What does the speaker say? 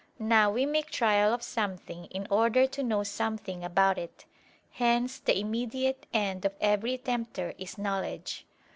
Now we make trial of something in order to know something about it: hence the immediate end of every tempter is knowledge.